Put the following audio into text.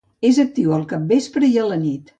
És actiu al capvespre i a la nit.